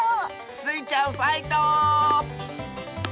スイちゃんファイト！